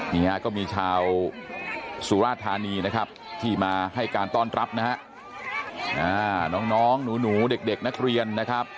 นี่ก็มีชาวสุราธารณีที่มาให้การต้อนรับน้องหนูเด็กนักเรียน